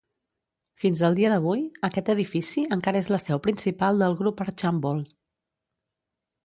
Fins al dia d'avui, aquest edifici encara és la seu principal del Grup Archambault.